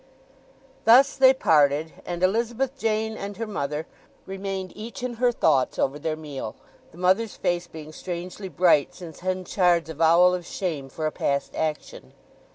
Thus they parted; and Elizabeth Jane and her mother remained each in her thoughts over their meal, the mother's face being strangely bright since Henchard's avowal of shame for a past action.